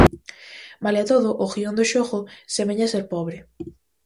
Malia todo, o guión do xogo semella ser pobre.